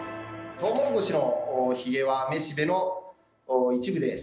トウモロコシのヒゲはめしべの一部です。